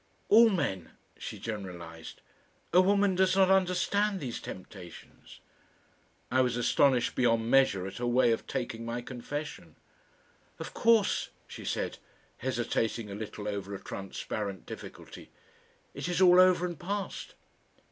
"All men " she generalised. "A woman does not understand these temptations." I was astonished beyond measure at her way of taking my confession. ... "Of course," she said, hesitating a little over a transparent difficulty, "it is all over and past."